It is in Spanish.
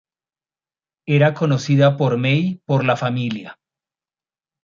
Era conocida por May por la familia.